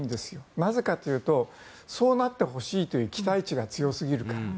なぜかというとそうなってほしいという期待値が強すぎるから。